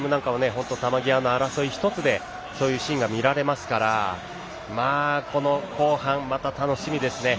本当に球際の争い一つでそういうシーンが見られますから後半、また楽しみですね。